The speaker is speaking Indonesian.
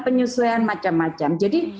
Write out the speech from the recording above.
penyesuaian macam macam jadi